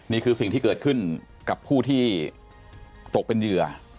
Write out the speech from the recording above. นี่คือสิ่งที่เกิดขึ้นกับผู้ที่ตกเป็นเหยื่อ